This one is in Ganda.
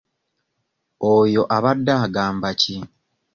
Oyo abadde agamba ki?